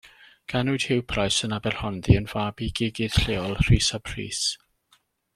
Ganwyd Hugh Price yn Aberhonddu, yn fab i gigydd lleol, Rhys ap Rhys.